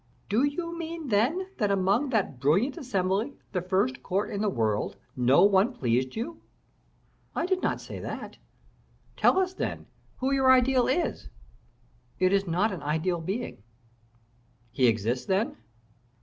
"Do you mean, then, that among that brilliant assembly, the first court in the world, no one pleased you?" "I do not say that." "Tell us, then, who your ideal is?" "It is not an ideal being." "He exists, then?"